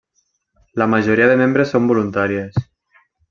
La majoria de membres són voluntàries.